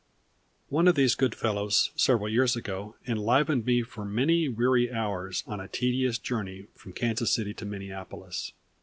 One of these good fellows several years ago enlivened me for many weary hours on a tedious journey from Kansas City to Minneapolis.